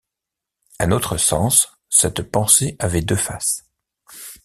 À notre sens, cette pensée avait deux faces.